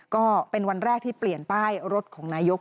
ก็เป็นวันแรกที่เปลี่ยนป้ายรถของนายก